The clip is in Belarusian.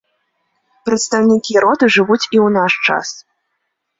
Прадстаўнікі роду жывуць і ў наш час.